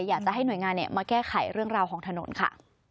อยากจะให้หน่วยงานมาแก้ไขเรื่องราวของถนนค่ะ